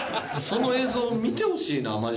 その映像を見てほしいなマジで。